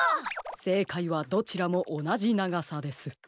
せいかいはどちらもおなじながさです。